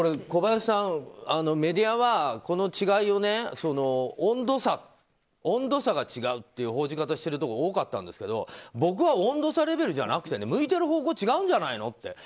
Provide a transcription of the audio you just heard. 小林さん、メディアはこの違いを温度差が違うっていう報じ方をしているところが多かったんですけど僕は温度差レベルじゃなくて向いてる方向違うんじゃないのって。